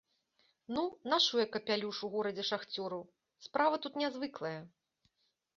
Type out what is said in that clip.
Ну нашу я капялюш у горадзе шахцёраў, справа тут нязвыклая.